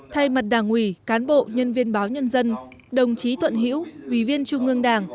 thay mặt đảng ủy cán bộ nhân viên báo nhân dân đồng chí thuận hiễu ủy viên trung ương đảng